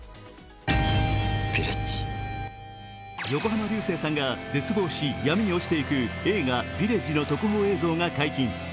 横浜流星さんが絶望し闇におちていく、映画「ヴィレッジ」の特報映像が解禁。